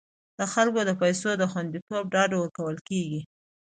د خلکو د پیسو د خوندیتوب ډاډ ورکول کیږي.